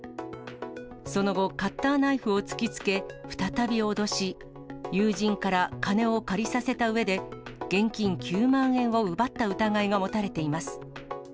その後、カッターナイフを突きつけ、再び脅し、友人から金を借りさせたうえで、現金９万円を奪った疑いが持たれています。